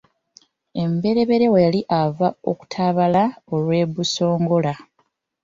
Emibereberye bwe yali ava okutabaala olw’e Busongola.